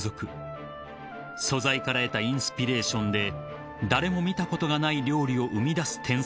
［素材から得たインスピレーションで誰も見たことがない料理を生み出す天才だったのだ］